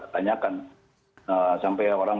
tanyakan sampai orang